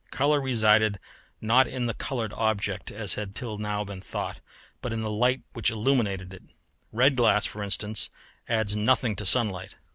Colour resided not in the coloured object as had till now been thought, but in the light which illuminated it. Red glass for instance adds nothing to sunlight.